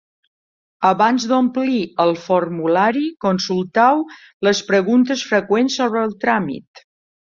Abans d'omplir el formulari, consulteu les preguntes freqüents sobre el tràmit.